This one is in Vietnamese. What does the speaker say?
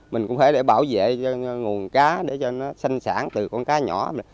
mình cũng phải để bảo vệ nguồn cá để cho nó sanh sản từ con cá nhỏ